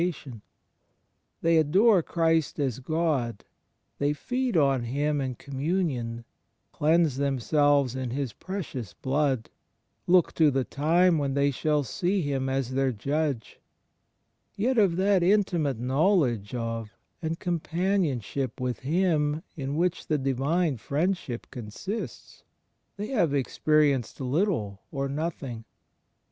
CHRIST IN THE INTERIOR SOUL 7 They adore Christ as God, they feed on Him in Com xxumion^ cleans^ themselves in His precious Blood, look to the time when they shall see Him as their Judge; yet of that intimate knowledge of and companionship with Hun in which the Divine Friendship consists, they have experienced little or nothing.